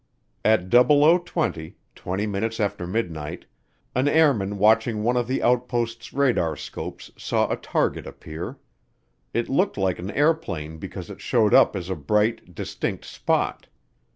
At 0020, twenty minutes after midnight, an airman watching one of the outpost's radarscopes saw a target appear. It looked like an airplane because it showed up as a bright, distinct spot.